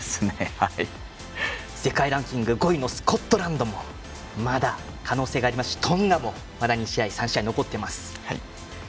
世界ランキング５位のスコットランドもまだ可能性がありますしトンガもまだ２試合、３試合残ってます。